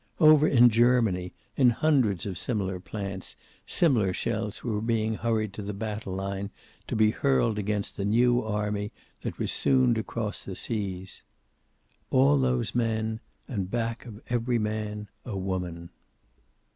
Over in Germany, in hundreds of similar plants, similar shells were being hurried to the battle line, to be hurled against the new army that was soon to cross the seas. All those men, and back of every man, a woman.